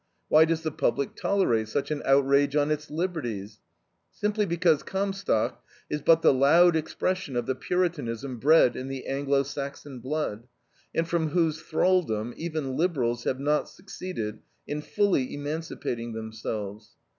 Why does the public tolerate such an outrage on its liberties? Simply because Comstock is but the loud expression of the Puritanism bred in the Anglo Saxon blood, and from whose thraldom even liberals have not succeeded in fully emancipating themselves.